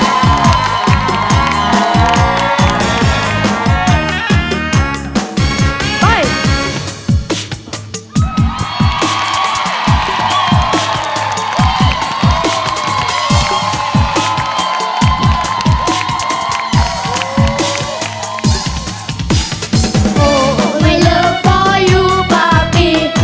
โอ้โอ้ไม่เลิกเพราะอยู่ป่าดี